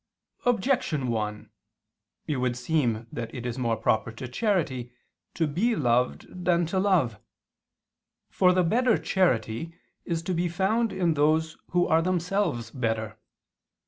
Objection 1: It would seem that it is more proper to charity to be loved than to love. For the better charity is to be found in those who are themselves better.